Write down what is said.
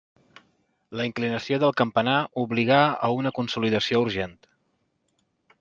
La inclinació del campanar obligà a una consolidació urgent.